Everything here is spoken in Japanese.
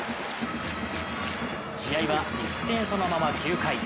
試合は１点差のまま９回。